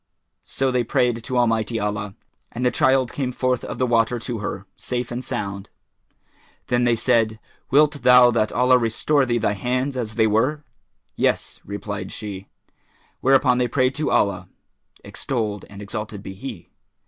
So they prayed to Almighty Allah, and the child came forth of the water to her, safe and sound. Then said they, "Wilt thou that Allah restore thee thy hands as they were?" "Yes," replied she: whereupon they prayed to Allah (extolled and exalted be He!)